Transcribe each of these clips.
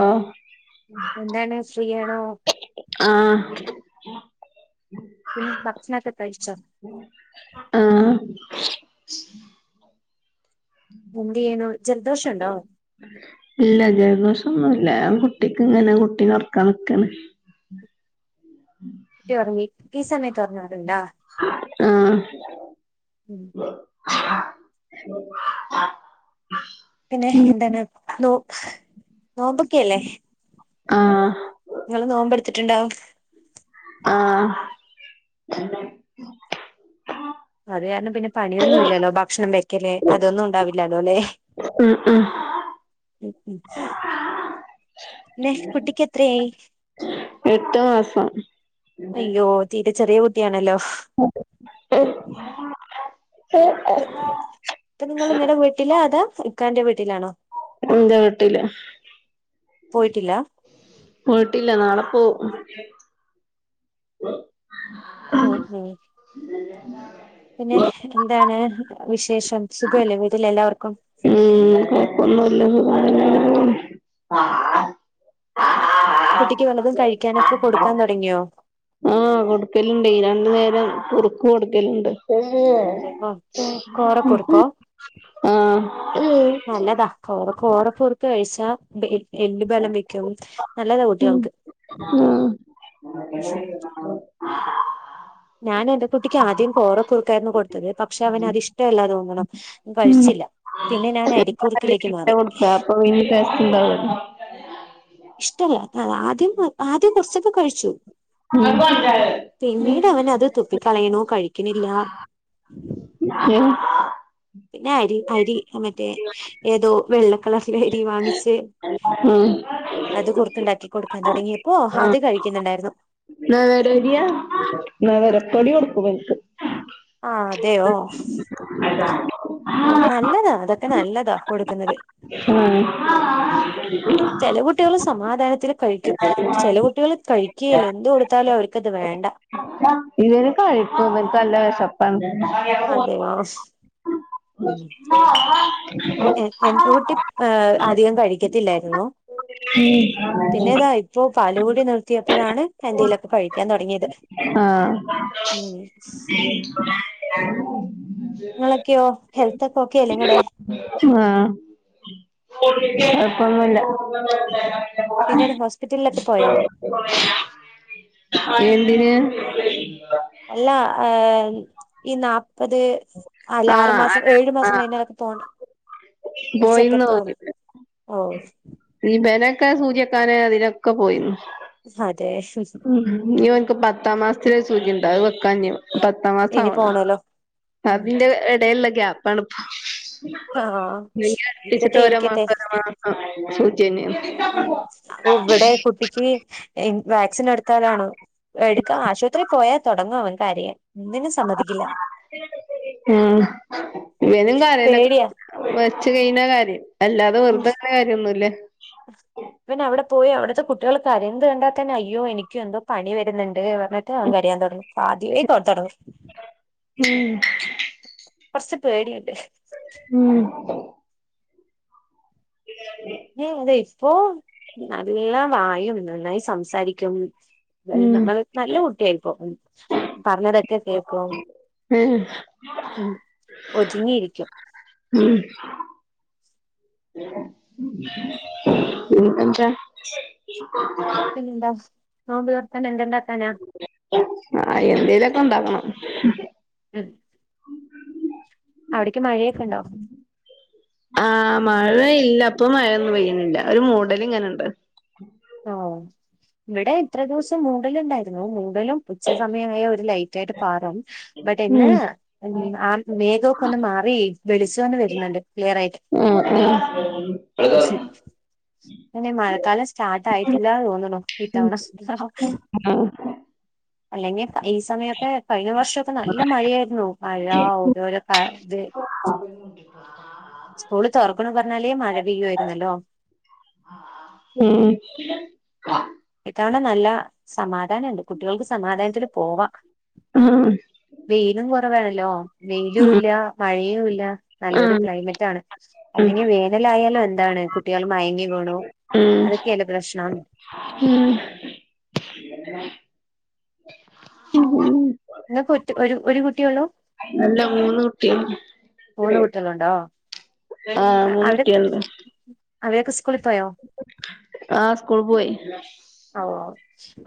ആഹ് എന്താണ് ഫ്രീയാണോ ആഹ പി പക്ഷനക്ക പഴച്ച ആഹ് എന്തെയ്യുന്നു. ജലദോഷ ഉണ്ടോ? ഇല്ല ജലദോഷൊന്നൂല്ല. ഞാൻ കുട്ടിക്ക് ഇങ്ങനെ കുട്ടി നെ ഒറക്കാൻ നിക്കാണ്. ട്ടി ഒർങ്ങി. ഈ സമയത്ത് ഒർങ്ങാറ്ണ്ടോ? ഉം ആഹ് പിന്നെ എന്താണ് നോ നോമ്പൊക്കെ ഇല്ലേ? ആഹ് ഇങ്ങള് നോമ്പെടുത്തിട്ടുണ്ടോ? ആഹ് അത് കാരണം പിന്നെ പണിയൊന്നു ഇല്ലല്ലോ. ഭക്ഷണം വെക്കല് അതൊന്നും ഉണ്ടാവില്ലാല്ലോ ല്ലേ. ഉം ഉം ഉം ഉം ന്നെ കുട്ടിക്ക് എത്രയായി? എട്ട് മാസം. അയ്യോ തീരെ ചെറിയ കുട്ടിയാണല്ലോ. ത്ത ഇപ്പ നിങ്ങളിങ്ങടെ വീട്ടിലാ അതാ ഇക്കാന്റെ വീട്ടിലാണോ? ഇൻ്റെ വീട്ടില്. പോയിട്ടില്ലാ? പോയിട്ടില്ല. നാളെ പോവും. ഉം ഉം പിന്നെ എന്താണ് വിശേഷം. സുഖമല്ലേ വീട്ടിൽ എല്ലാവർക്കും? ഉം കൊഴപ്പൊന്നൂല്ലാ സുഖാണ്. കുട്ടിക്ക് വല്ലതും കഴിക്കാനൊക്കെ കൊടുക്കാൻ തുടങ്ങിയോ? ആഹ് കൊടുക്കല്ണ്ടേ. രണ്ട് നേരം കുറുക്ക് കൊടുക്കല്ണ്ട്. ആഹ് കോറക്കുറുക്കോ ആഹ്. നല്ലതാ [unintelligible] കോറപ്പുർക്ക് കഴിച്ചാ ദ് എ എല്ല് ബലം വെക്കും. നല്ലതാ ഉം കുട്ടികൾക്ക് ആഹ് ഞാൻ എന്റെ കുട്ടിക്ക് ആദ്യം കോരക്കൂറ്ക്കാരുന്നു കൊടുത്തത് പക്ഷേ അവനത് ഇഷ്ടവല്ലാ തോന്നണു കഴിച്ചില്ല പിന്നെ നാന് അ [unintelligible] കൊടുക്കാ അപ്പോ പിന്നെ ടേസ്റ്റ് ഉണ്ടാ [unintelligible] ഇഷ്ടല്ല ആദ്യം ആദ്യം കൊച്ചക്കെ കഴിച്ചു ന്നിട്ട് അവനത് തുപ്പിക്കളയണു കഴിക്കണില്ല പിന്നെ അരി അരി മറ്റേ ഏതോ വെള്ളക്കളറിലേ അരി വാങ്ങിച്ച് ഉം ഉം അത് കുറ്ക്കിണ്ടാക്കി കൊടുക്കാൻ തൊടങ്ങിപ്പോ അത് കഴിക്കുന്നുണ്ടാരുന്നു നവരരിയാ നവരപ്പൊടി കൊടുക്കും ഇവനിക്ക് ആഹ് അതെയോ ഓഹ് നല്ലതാ അതൊക്കെ നല്ലതാ കൊടുക്കുന്നത് ഉം ചെല കുട്ടികള് സമാധാനത്തില് കഴിക്കും ചെല കുട്ടികള് കഴിക്കെ ഇല്ല എന്ത് കൊടുത്താലും അവർക്ക്ത് വേണ്ട ഇവന് കഴിക്കും ഇവന്ക്ക് നല്ല വേശപ്പാണ് അതെയോ ഉം എ എന്റെ ആഹ് കൂട്ടി ഏഹ് അധികം കഴിക്കത്തില്ലാരുന്നു [unintelligible] പാലുകുടി നിർത്തിയപ്പോഴാണ് എന്തെലൊക്കെ കഴിക്കാൻ തൊടങ്ങിയത് ആഹ് ഉം ഇങ്ങളൊക്കെയോ ഹെൽത്തൊക്കെ ഒക്കെയല്ലേ ഇങ്ങടെ ആഹ് കൊഴപ്പൊന്നുമില്ല പിന്നീട് ഹോസ്പിറ്റലിലൊക്കെ പോയോ എന്തിന് ഇല്ല അ് ഈ നാപ്പത് ല്ലാ ആഹ് ആറുമാസം അന ഏഴുമാസം അതിനകത്ത് പോണ്ടെ പോയിന്നോ ഓ ഇവനെയെക്കെ സൂചി വെക്കാനെ അതിനൊക്കെ പോയിരുന്നു [unintelligible] ഉം ഇവനിക്ക് പത്താം മാസത്തിലെ സുചീ ഉണ്ട് അത് വക്കാനി പോണം പത്താം മാസം ഇനി ആവണം പോണല്ലോ അതിന്റെ ഇടയിലെ ഗ്യാപ്പാണ് ഇപ്പോൾ ആഹ് ഇരിക്കട്ടെ [unintelligible] ഓരോ ഇരിക്കട്ടെ മാസം ഒരോ മാസം സൂചന്യ ഓ ഇവിടെ കുട്ടിക്ക് [unintelligible] വാക്സിൻ എടുത്താലാണോ എടുക്കാ ആശുപത്രിൽ പോയാ തുടങ്ങും അവൻ കരയാൻ ഒന്നിനും സമ്മതിക്കില്ല ഉം ഇവനും കരയും പേടിയാ വെച്ച് കഴിഞ്ഞാ കരയും അല്ലാതെ ഉം വെറുതെ [unintelligible] ഒന്നും ഇല്ല ഇവൻ അവിടെ പോയി അവിടുത്തെ കുട്ടികൾ കരയുന്നത് കണ്ടാൽ തന്നെ അയ്യോ എനിക്കും എന്തോ പണി വരുന്നുണ്ട് പറഞ്ഞിട്ട് അവൻ കരയാൻ തുടങ്ങും അദ്യമെ തുടങ്ങും ഉം കുറച്ച് പേടിയുണ്ട് ഉം ഏ അത് ഇപ്പോ നല്ല വായും നന്നായി സംസാരിക്കും ഉം നമ്മള് നല്ല കുട്ടിയായിപ്പോ പറഞ്ഞതൊക്കെ കേൾക്കും ഏഹ് ഉം ഒതുങ്ങിയിരിക്കും പിന്നെന്താ പിന്നെന്താ നോമ്പ് തുറക്കാൻ എന്ത് ഉണ്ടാ ആ എന്തേലൊക്കെ ഉണ്ടാക്കണം ഉം അവിടക്ക് മഴയൊക്കെ ഉണ്ടോ ആഹ് മഴ ഇല്ല ഇപ്പൊ മഴയൊന്നും പെയ്യുന്നില്ല ഒരു മൂടല്ഇങ്ങനെ ഉണ്ട് ഓ ഇവിടെ ഇത്ര ദിവസം മൂടൽ ഉണ്ടായിരുന്നു ഉച്ച സമയമായ ഒരു ലൈറ്റായിട്ട് പാടും ബട്ട് ഇന്ന് ഉം ആ മേഘം ഒക്കെന്ന് മാറി വെളിച്ചം ഒന്ന് വരുന്നുണ്ട് ക്ലിയർ ആയിട്ട് ആഹ് ആഹ് പിന്നെ മഴക്കാലം [unintelligible] സ്റ്റാർട്ട് ആയിട്ടില്ല എന്ന് തോന്നുന്നു ഇത്തവണ ഹ ഹ ആഹ് അല്ലെങ്കിൽ ഈ സമയത്ത് കഴിഞ്ഞ വർഷൊക്കെ നല്ല മഴയായിരുന്നു മഴ ഓരോരോ കാ ഇത് [inaudible] സ്കൂള് തുറക്കണു പറഞ്ഞാല് മഴ പെയ്യാ യിരുന്നല്ലോ ആഹ് [unintelligible] നല്ല സമാധാ ദാനുണ്ട് കുട്ടികൾക്ക് സമാദാനത്തിൽ പോവാ ആഹ് വെയിലും കുറവാണല്ലോ വെയിലും ഉം ഇല്ല മഴയും ഇല്ല നല്ലൊരു ആഹ് ക്ലൈമറ്റ് ആണ് ഉം അല്ലെങ്കിൽ വേനലായാലും അതാണ് കുട്ടികൾ മയങ്ങി വീണു അതൊക്കെയല്ലേ പ്രശ്നം മ്മ് നിങ്ങൾക്ക് ഒറ്റ ഒരു കുട്ടിയുള്ളൂ അല്ല മൂന്ന് കുട്ടികള് ഊണ് വിട്ടതു കൊണ്ടോ ആഹ് മൂന്ന് അവടെ അവ ടൊക്കെ ആ സ്കൂൾ പോയി ഓ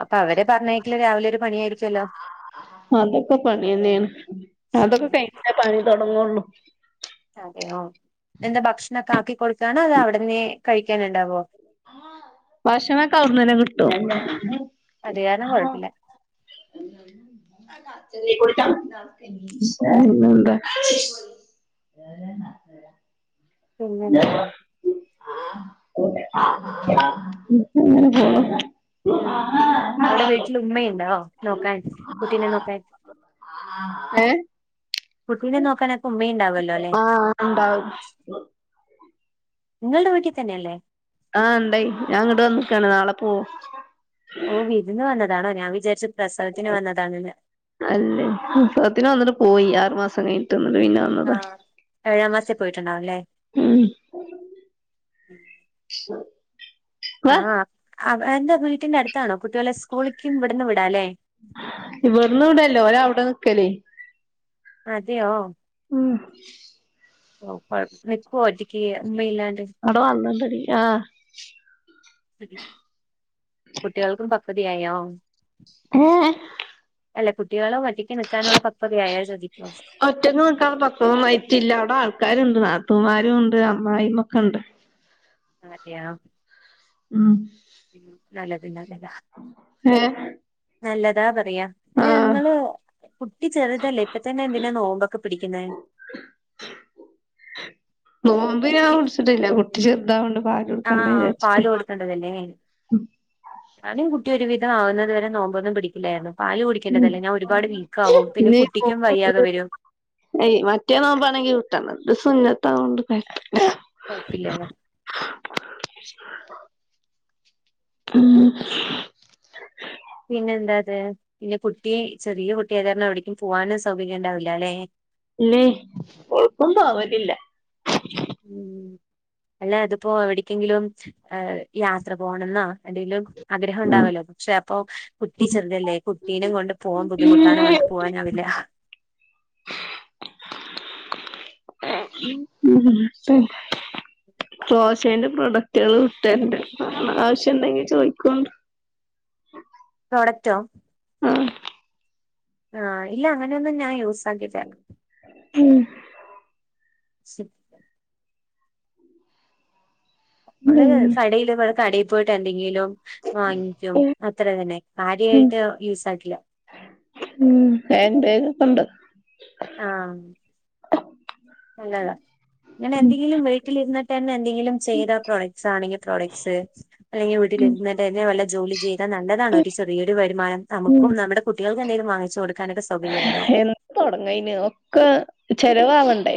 അപ്പൊ അവരെ പറഞ്ഞയക്കൽ രാവിലെ ഒരു പണിയായിരിക്കുമല്ലോ അതൊക്കെ പണി തന്നെയാണ് അതൊക്കെ കഴിഞ്ഞിട്ടേ പണി തുടങ്ങുള്ളൂ അതെയോ എന്താ ഭക്ഷണൊക്കെ ആക്കി കൊടുക്കണോ അത് അവിടന്നേ ഭക്ഷണമൊക്കെ അവിടെന്നുതന്നെ കിട്ടും അത് കാരണം കുഴപ്പില്ല ഈശ്വരാ എന്നായുള്ളെ പിന്നെ എന്താവാ ങ്ങന പോ ഉം അവിടെ വീട്ടിൽ ഉമ്മയുണ്ടോ നോക്കാൻ കുട്ടിനെ നോക്കാൻ ആഹ് കുട്ടിനെ നോക്കാനൊക്കെ ഉമ്മയുണ്ടാവല്ലോ ആഹ് ഉണ്ടാവും നിങ്ങളുടെ വീട്ടിൽ തന്നെയല്ലേ ആഹ ഇണ്ടയ് ഞാൻ ഇങ്ങട്ട് വന്നക്കാണ് നാളെ പോവും ഓ വിരുന്ന് വന്നതാണോ ഞാൻ വിചരിച്ച അല്ലേ ഉത്സവത്തിന് വന്നിട്ട് പോയി ആറു മാസം കഴിഞ്ഞിട്ട് ന്ന പിന്നെ ആ, വന്നതാ ഏഴാം മാസത്തിൽ പോയിട്ടുണ്ടാവും അല്ലേ ഉം ആഹ ആഹ് എന്താ വീട്ടിന്റെ അടുത്താണോ കുട്ടികളെ സ്കൂളിക്കും ഇവിടുന്ന് വിടാല്ലേ ഇവിടുന്ന് വിടല്ലോ ഒരവിടെ നിക്കലേ അതെയോ ഉം ഓ വക്ക അതിനിക്കുമോ ഒറ്റക്ക് ഉമ്മയില്ലാണ്ട് അടോ അല്ല ത ആ കുട്ടികൾക്കും പക്വതയായോ ആഹ അല്ലെ കുട്ടികളോ ഒറ്റക്ക് നിൽക്കാനുള്ള പക്യതയായോ ഒറ്റക്ക് നിക്കാനുള്ള പക്യതയൊന്നും ആയിട്ടില്ല അവിടെ ആൾക്കാരുണ്ട് നാ ഉമ്മമാരും ഉണ്ട് അമ്മായിയും ഒക്കെ ഉണ്ട് അതെയൊ ഉം നല്ല പില്ല ഹഏ നല്ലതാ അത് അ അല്ലങ്ങള് കുട്ടി ചെറുതല്ലേ ഇപ്പ തന്നെ എന്തിനാ നോമ്പൊക്കെ പിടിക്കുന്നേ നോമ്പ് ഞാൻ പിടിച്ചിട്ടില്ല കുട്ടി ചെറുതാ ആഹ പാല് കൊടുക്കണ്ടതല്ലേ ഞാനും കുട്ടി ഒരു വിധം ആവുന്നത് വരെ നോമ്പൊന്നും പിടിക്കില്ലായിരുന്നു പാല് കുടിക്കേണ്ടതല്ലേ ഞാൻ ഒരുപാട് വീക്കാവും പിന്നെ കുട്ടിക്കും വയ്യാതെ ഇനി വരും ഏയ് മറ്റേ നോമ്പാണെങ്കിൽ വീട്ടണം ഇത് സുന്നത്തായത് കൊണ്ട് പ കുഴപ്പില്ല ഉം പിന്നെ എന്താത് പിന്നെ കുട്ടി ചെറിയ കുട്ടിയായത് കാരണം എവിടേക്കും പോവാനോ സൗകര്യം ഉണ്ടാവില്ല അല്ലെ ഇല്ലേ കൊഴക്കൊണ്ടും ആവറ്റില്ല ഉം അല്ലെ അതിപ്പോ എവിടക്കെങ്കിലും യാത്ര പോകണ്ണൊന്ന എന്തെിലും ആഗ്രഹം ഉം ഉണ്ടാവല്ലോ പക്ഷെ അപ്പൊ കുട്ടി ചെറുതല്ലേ കുട്ടീനും കൊണ്ട് പോവാൻ ബുദ്ധിമുട്ടാണ് കണ്ടു പോവാനാവില്ല [inaudible] ദോശേന്റെ പ്രൊഡക്റ്റുകളു ഇട്ടോണ്ട് ആവശ്യം ഇണ്ടെങ്കിൽ ചോദിക്കു പ്രോഡക്ടോ ആ ആ ഇല്ല അങ്ങനെയൊന്നും ഞാൻ യൂസ് ആക്കില്ലാ ഉം [inaudible] നമ്മള് പിന്നെ കടയില് കടയിൽ പോയിട്ട് എന്തെങ്കിലും വാങ്ങിക്കും ഉം അത്ര തന്നെ കാര്യായിട്ട് യൂസ് ആക്കില്ല ഉം ഹാൻഡ് ബാഗ് ഒക്കെണ്ട് ആ നല്ലതാ ഇങ്ങനെ എന്തെങ്കിലും വീട്ടിലിരിട്ട് തന്നെ എന്തെങ്കിലും ചെയ്താ പ്രോഡക്ട്സാണെങ്കിൽ പ്രോഡക്ട്സ് അല്ലെങ്കിൽ ഉം രിട്ട് തന്നെ വല്ലോ ജോലി ഇത നല്ലതാണ് ഒരു ചെറിയരു വരുമാനം നമുക്കും നമ്മുടെ കുട്ടികൾക്ക് എന്തെങ്കിലും വാങ്ങിച്ചു കൊടു എന്താ തോടങ്ങ്‌ അയിന് ഒക്കെ ചെലവാവണ്ടേ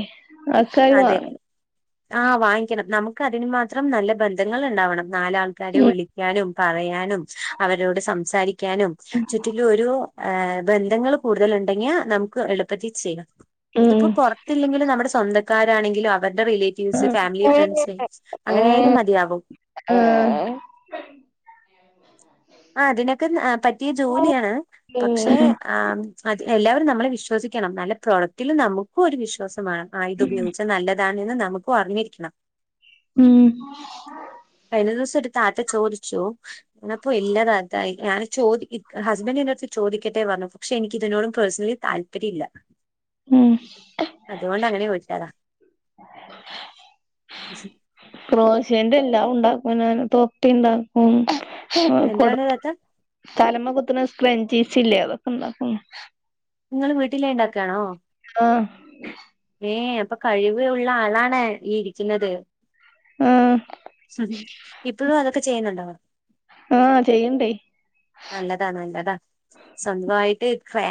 ആൾക്കാര് അതെ വാങ്ങും ആ വാങ്ങിക്കണം നമുക്ക് തിന് മാത്രം നല്ല ബന്ധങ്ങൾ ഉണ്ടാവണം നാലാൾക്കാരെ വിളിക്കാനും പറയാനും അവരോട് സംസാരിക്കാനും ചുറ്റില ഒരു ബന്ധങ്ങൾ കൂടുതൽ ഉണ്ടെങ്കിയാ നമുക്ക് എളുപ്പത്തി ചെയ്യാം ഉം ഇതിപ്പോ പുറത്തില്ലെങ്കിലും നമ്മുടെ സ്വന്തക്കാരാണെങ്കിലും അവരുടെ റിലേറ്റീവ്സ് ഉം ഫാമിലി ഫ്രണ്ട്സ് അങ്ങനെയായാലും മതിയാവും [inaudible] ആ അതിനൊക്കെ പറ്റിയ ജോലിയാണ് ഉം പക്ഷെ ആ എല്ലാവരും നമ്മളെ വിശ്വ വിശ്വസിക്കണം നല്ല പ്രോഡക്റ്റും നമുക്കും ഒരു വിശ്വാസമാണ് ആ ഇത് ഉപയോഗിച്ച നല്ലതാണ് ന്ന് നമുക്കും അറിഞ്ഞിരിക്കണം ഉം കഴിഞ്ഞ ദിവസം ഒരു താത്ത ചോദിച്ചു അപ്പൊ ഇല്ലാ താത്ത ഞാന് ചോദി ക്ക് ഹസ്ബൻഡ്ന്റെ അടുത്ത് ചോദിക്കട്ടെ പറഞ്ഞു പക്ഷെ എനി ഇതിനോട് പേർസണലി താൽ പരില്ല ഉം അതുകൊണ്ട് അങ്ങനെ വിട്ടതാ [unintelligible] തോപ്പി ഉണ്ടാക്കും എന്താണ് കൊടുപ്പ് താത്ത തലമ കുത്തുണ്ണാ സ് ജീസ് ഇല്ലേ അതൊക്കെണ്ടാക്കും നിങ്ങള് വീട്ടിലെ ഉണ്ടാക്കാണോ ആ ഏ അപ്പൊ കഴിവ് ഉള്ള ആളാണ് ഈ ഇരിക്കുന്നത് ആ ഇപ്പോഴും അതൊക്കെ ചെയ്യുന്നുണ്ടോ ആഹ് ചെയ്യണ്ടേ നല്ലതാ നല്ലതാ സ്വന്തമായിട്ട് ഫാ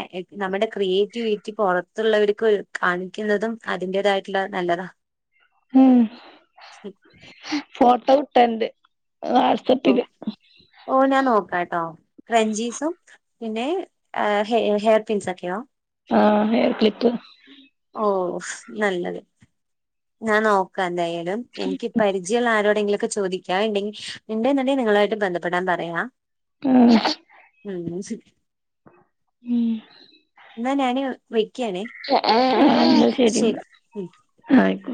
നമ്മുടെ ക്രിയേറ്റിവിറ്റി പുറത്തുള്ളവർക്ക് കാണിക്കുന്നതും അതിന്റെതായിട്ടുള്ള നല്ലതാ ഉം ഫോട്ടോ ഇട്ടോണ്ട് ഓ ഓ ഞാൻ നോക്കാട്ടോ ക്രഞ്ചീസും പിന്നെ ഹെ ഹെയർ പിൻസ് ഒക്കെയോ ആ ഹെയർക്ലിപ്പ്‌ ഓ നല്ലത് ഞാൻ നോക്കാന്തായാലും എനിക്ക് പരിചയുള്ള ആരോടെങ്കിലൊക്കെ ചോദിക്കാ ഉണ്ടെങ്കിൽ ഉണ്ടേ എന്നുണ്ടെ നിങ്ങളായിട്ട് ബന്ധപ്പെടാൻ പറയാം ഉം ഉം എന്നാ ഞാന് വെക്കാണേ ഉം ശരി എന്ന